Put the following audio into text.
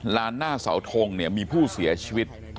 หน้าเสาทงเนี่ยมีผู้เสียชีวิต